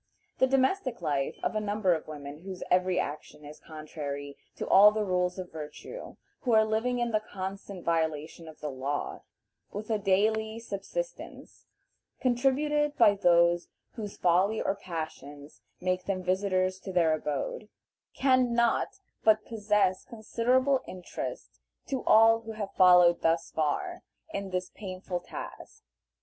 The domestic life of a number of women whose every action is contrary to all the rules of virtue, who are living in the constant violation of the law, with a daily subsistence contributed by those whose folly or passions make them visitors to their abode, can not but possess considerable interest to all who have followed thus far in this painful task.